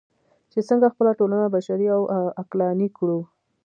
چې څنګه خپله ټولنه بشري او عقلاني کړو.